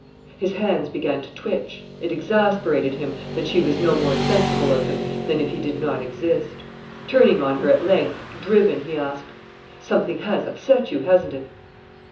His hands began to twitch. It exasperated him, that she was no more sensible of him than if he did not exist. Turning on her at length, driven, he asked: "Something has upset you hasn't it?"